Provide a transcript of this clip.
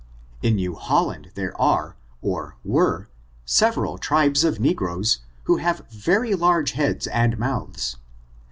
In New Holland, there are, or toere^ sev* eral tribes of negroes, who have very large heads and mouths.